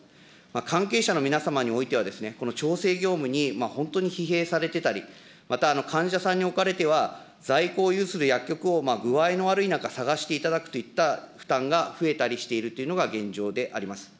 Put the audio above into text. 関係者の皆様においては、この調整業務に本当に疲弊されてたり、また、患者さんにおかれては、在庫を有する薬局を具合の悪い中、探していただくといった負担が増えたりしているというのが現状であります。